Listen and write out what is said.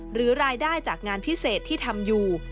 หรือรายได้จากงานพิเศษที่ทำอยู่